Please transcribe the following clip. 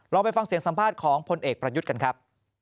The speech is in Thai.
ไปฟังเสียงสัมภาษณ์ของพลเอกประยุทธ์กันครับ